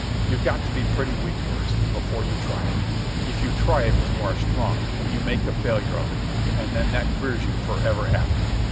You've got to be pretty weak first, before you try it. If you try it when you are strong, you make a failure of it, and then that queers you for ever after.